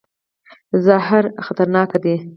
زهر خطرناک دی.